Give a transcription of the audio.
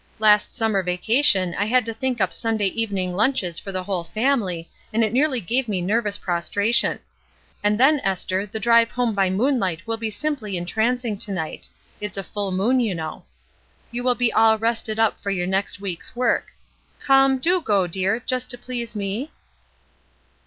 Last summer vacation I had to think up Sunday evening lunches for the whole family and it nearly gave me nervous prostration. And then, Esther, the drive home SCRUPLES 89 by moonlight will be simply entrancing to night ; it is full moon, you know. You will be all rested up for your next week's work; come, do go, dear, just to please me."